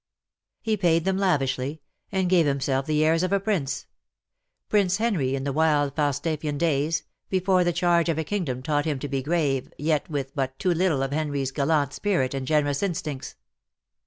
He paid them lavishly, and gave himself the airs of a Prince — Prince Henry in the wild Falstaffian days, before the charge of a kingdom taught him to be grave, yet with but too little of Henry's gallant spirit and generous instincts.